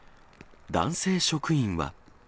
男性職員は。